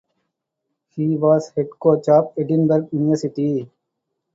He was Head Coach of Edinburgh University.